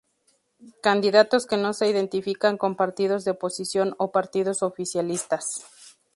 Candidatos que no se identifican con partidos de oposición o partidos oficialistas.